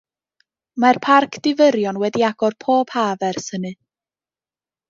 Mae'r parc difyrion wedi agor pob haf ers hynny.